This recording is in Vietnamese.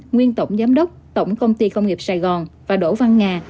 nguyên tổng giám đốc tổng công ty công nghiệp sài gòn và đỗ văn nga